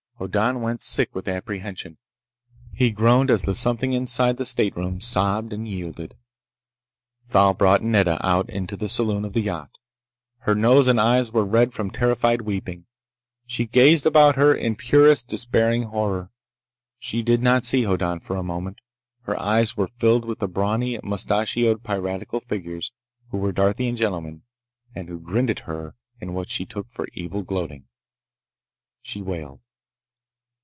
Hoddan went sick with apprehension. He groaned as the something inside the stateroom sobbed and yielded. Thal brought Nedda out into the saloon of the yacht. Her nose and eyes were red from terrified weeping. She gazed about her in purest despairing horror. She did not see Hoddan for a moment. Her eyes were filled with the brawny, mustachioed piratical figures who were Darthian gentlemen and who grinned at her in what she took for evil gloating. She wailed.